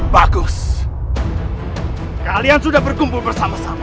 bagus kalian sudah berkumpul bersama sama